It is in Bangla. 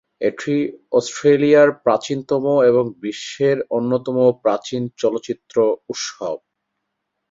এটি অস্ট্রেলিয়ার প্রাচীনতম এবং বিশ্বের অন্যতম প্রাচীন চলচ্চিত্র উৎসব।